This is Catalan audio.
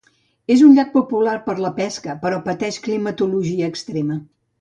És un llac popular per la pesca, però pateix climatologia extrema.